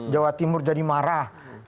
jawa timur jadi marah